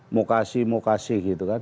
mau kasih mau kasih gitu kan